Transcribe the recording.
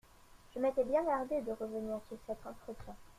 Je m'étais bien gardé de revenir sur cet entretien.